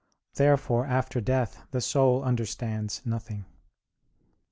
Therefore after death the soul understands nothing.